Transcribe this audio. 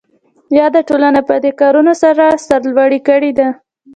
یاده ټولنه پدې کارونو سره سرلوړې کړې ده.